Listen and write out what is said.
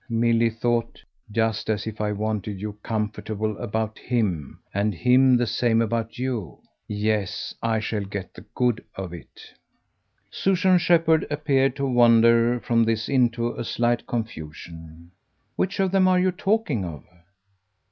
Milly thought. "Just as if I wanted you comfortable about HIM, and him the same about you? Yes I shall get the good of it." Susan Shepherd appeared to wander from this into a slight confusion. "Which of them are you talking of?"